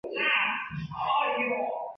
不会因此滑倒